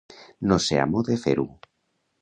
No ser amo de fer-ho.